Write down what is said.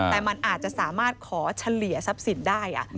แต่มันอาจจะสามารถขอเฉลี่ยทรัพย์สินได้